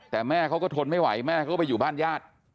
แต่แม่เขาก็ทนไม่ไหวแม่เขาก็ไปอยู่บ้านญาติ